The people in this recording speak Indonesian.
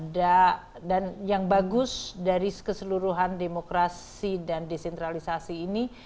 dan yang bagus dari keseluruhan demokrasi dan desentralisasi ini